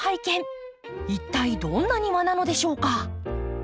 一体どんな庭なのでしょうか？